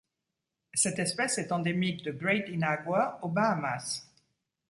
Cette espèce est endémique de Great Inagua aux Bahamas.